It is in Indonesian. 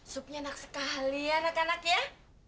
supnya enak sekali ya anak anak ya